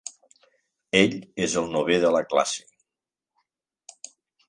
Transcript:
Ell és el novè de classe.